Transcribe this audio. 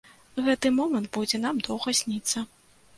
Гэты момант будзе нам доўга сніцца.